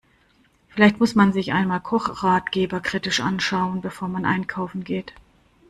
Vielleicht muss man sich einmal Kochratgeber kritisch anschauen, bevor man einkaufen geht.